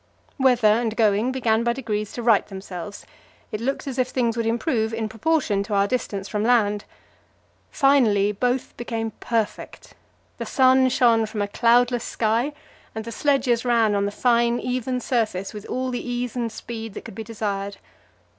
Weather and going began by degrees to right themselves; it looked as if things would improve in proportion to our distance from land. Finally, both became perfect; the sun shone from a cloudless sky, and the sledges ran on the fine, even surface with all the ease and speed that could be desired.